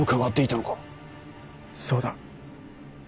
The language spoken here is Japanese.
そうだ。